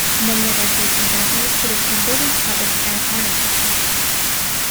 Many other gates in Javanese traditional buildings have this kind of ornament.